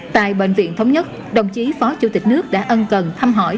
tại bệnh viện thống nhất đồng chí phó chủ tịch nước đã ân cần thăm hỏi